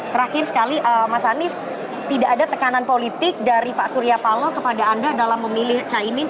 terakhir sekali mas anies tidak ada tekanan politik dari pak surya paloh kepada anda dalam memilih caimin